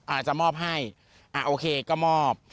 อาจจะมอบให้โอเคก็มอบ